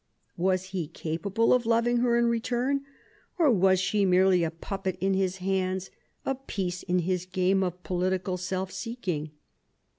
Was he capable of loving her in return, or was she merely a puppet in his hands, a piege in his game of political self seeking?